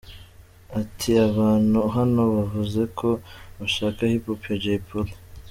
Ati, “Abantu baho bavuze ko bashaka Hip Hop ya Jay Polly.